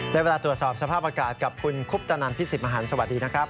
ได้เวลาตรวจสอบสภาพอากาศกับคุณคุปตนันพี่สิทธิ์มหันฯสวัสดีนะครับ